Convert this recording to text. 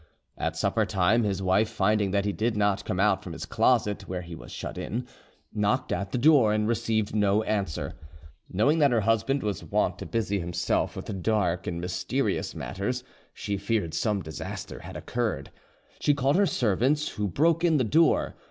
At supper time, his wife finding that he did not come out from his closet where he was shut in, knocked at the door, and received no answer; knowing that her husband was wont to busy himself with dark and mysterious matters, she feared some disaster had occurred. She called her servants, who broke in the door.